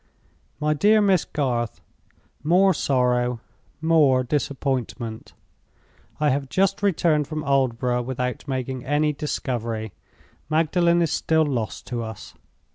"MY DEAR MISS GARTH, "More sorrow, more disappointment! I have just returned from Aldborough, without making any discovery. Magdalen is still lost to us.